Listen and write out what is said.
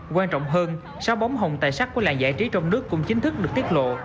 quan trọng hơn sáu bóng hồng tài sắc của làng giải trí trong nước cũng chính thức được tiết lộ